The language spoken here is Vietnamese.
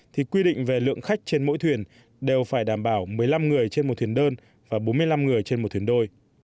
thì quy định về lượng khách trên mỗi thuyền đều phải đảm bảo một mươi năm người trên một thuyền đơn và bốn mươi năm người trên một thuyền đôi